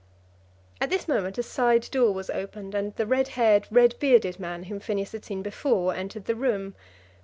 At this moment a side door was opened, and the red haired, red bearded man whom Phineas had seen before entered the room.